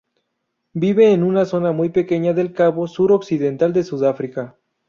Vive en una zona muy pequeña del Cabo Sur occidental de Sudáfrica.